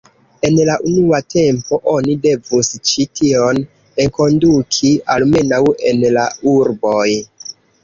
En la unua tempo oni devus ĉi tion enkonduki almenaŭ en la urboj.